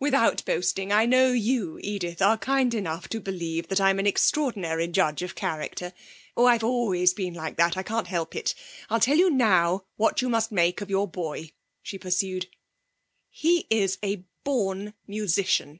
Without boasting, I know you, Edith, are kind enough to believe that I'm an extraordinary judge of character. Oh, I've always been like that. I can't help it. I'll tell you now what you must make of your boy,' she pursued. 'He is a born musician!'